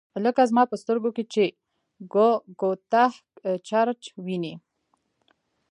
لکه زما په سترګو کې چي “ګوتهک چرچ” ویني